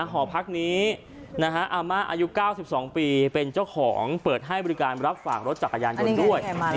หอพักนี้อาม่าอายุ๙๒ปีเป็นเจ้าของเปิดให้บริการรับฝากรถจักรยานยนต์ด้วย